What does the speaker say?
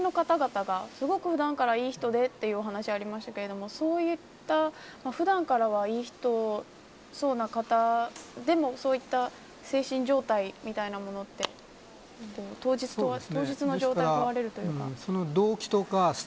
若狭さん、先ほどＶＴＲでも近隣の方々が、すごく普段からいい人でというお話がありましたけれどもそういった、普段からいい人そうな方でもそういった精神状態みたいなものって当日の状態に問われるというか。